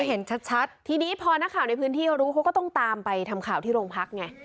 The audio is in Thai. เห็นชัดทีนี้พอนักข่าวในพื้นที่รู้เขาก็ต้องตามไปทำข่าวที่โรงพักไง